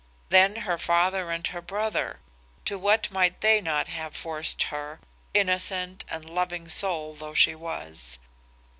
Then her father and her brother! To what might they not have forced her, innocent and loving soul though she was!